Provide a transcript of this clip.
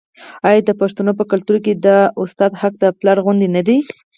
آیا د پښتنو په کلتور کې د استاد حق د پلار غوندې نه دی؟